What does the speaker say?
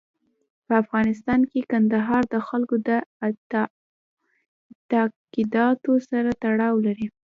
په افغانستان کې کندهار د خلکو د اعتقاداتو سره تړاو لري.